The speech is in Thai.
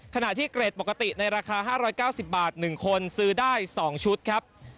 ขณะที่เกรดปกติในราคา๕๙๐บาท๑คนซื้อได้๒ชุดครับ